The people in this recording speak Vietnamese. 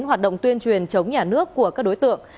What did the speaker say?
hoạt động tuyên truyền chống nhà nước của các đối tượng